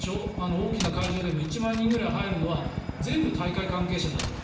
大きな会場でも１万人ぐらい入るのは全部、大会関係者だと。